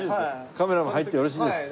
カメラも入ってよろしいですか？